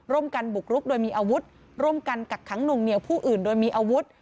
ร่วมกันบุกรุกโดยมีอาวุธร่วมกันกักขังหน่วงเหนียวผู้อื่นโดยมีอาวุธ